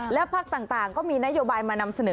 และภาคต่างก็มีนโยบายมานำเสนอ